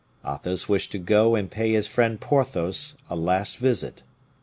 Athos wished to go and pay his friend Porthos a last visit.